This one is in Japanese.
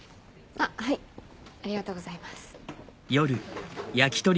あっはいありがとうございます。